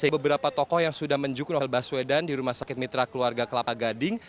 beberapa tokoh yang sudah menjuku novel baswedan di rumah sakit mitra keluarga kelapa gading